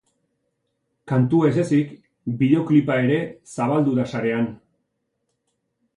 Kantua ez ezik, bideoklipa ere zabaldu da sarean.